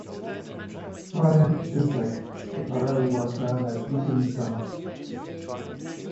Prior to this date, the borough was known as Lincoln Township.